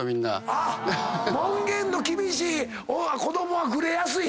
門限の厳しい子供はグレやすい⁉